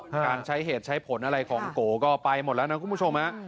การใช้เหตุใช้ผลอะไรของโกก็ไปหมดแล้วนะคุณผู้ชม